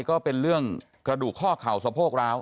ก็เป็นเรื่องกระดูกข้อเข่าสะโพกร้าว